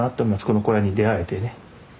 この小屋に出会えてね。